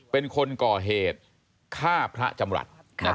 เป็นคนก่อเหตุฆ่าพระจำรัฐ